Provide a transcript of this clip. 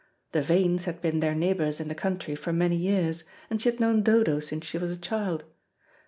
The Vanes had been their neighbours in the country for many years, and she had known Dodo since she was a child.